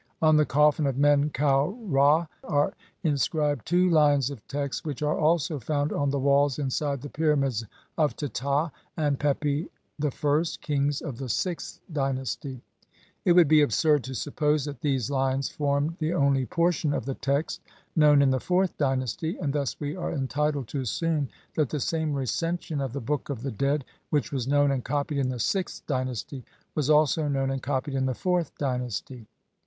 On the coffin of Men kau Ra (Brit. Mus. No. 6647) are inscrib ed two lines ' of text which are also found on the walls inside the pyramids of Teta and Pepi I, kings of the sixth dynasty ; it would be absurd to suppose that these lines formed the only portion of the text known in the fourth dynasty, and thus we are entitled to assume that the same Recension of the Book of the Dead which was known and copied in the sixth dy nasty was also known and copied in the fourth dy nasty.